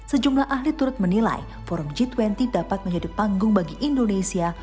sejumlah ahli turut menilai forum g dua puluh dapat menjadi panggung bagi indonesia